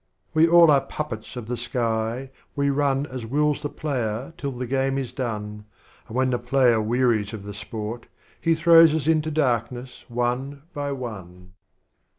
II. We all are Puppets of the Sk}'', we run As wills the Player till the Game is done, And when the Player wearies of the Sport, He throws us into Darkness One by One.